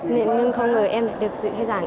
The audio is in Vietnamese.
nên không ngờ em được dự khai giảng